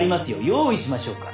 用意しましょうか？